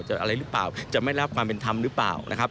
อะไรหรือเปล่าจะไม่รับความเป็นธรรมหรือเปล่านะครับ